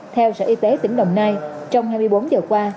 theo sở y tế tỉnh đồng nai trong hai mươi bốn giờ qua